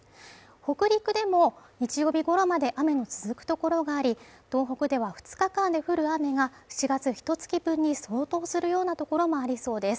北陸でも日曜日頃まで雨の続くところがあり、東北では２日間で降る雨が７月ひと月分に相当するようなところもありそうです。